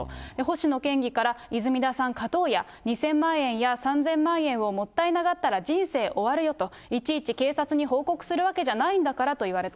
星野県議から、泉田さん、勝とうや、２０００万円や３０００万円をもったいながったら人生終わるよと、いちいち警察に報告するわけじゃないんだからと言われた。